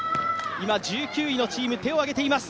今１９位のチーム、手を上げています